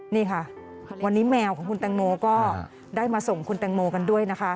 นี่ค่ะวันนี้แมวของคุณแตงโมก็ได้มาส่งคุณแตงโมกันด้วยนะคะ